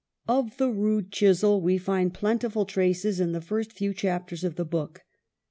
Of the rude chisel we find plentiful traces in the first few chapters of the book.